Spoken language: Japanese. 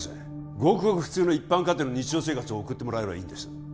ごくごく普通の一般家庭の日常生活を送ってもらえればいいんです